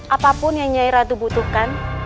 apapun yang nyai ratu butuhkan